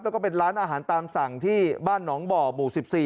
แล้วก็เป็นร้านอาหารตามสั่งที่บ้านหนองบ่อหมู่๑๔